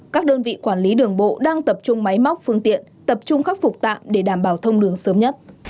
các đơn vị quản lý đường bộ đang tập trung máy móc phương tiện tập trung khắc phục tạm để đảm bảo thông đường sớm nhất